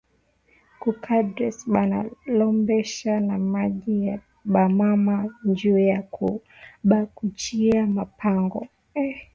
Ku cadastre bana lombbesha ma jina ya ba mama njuya ku ba kachiya ma pango